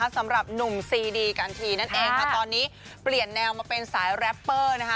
สำหรับหนุ่มซีดีกันทีนั่นเองค่ะตอนนี้เปลี่ยนแนวมาเป็นสายแรปเปอร์นะคะ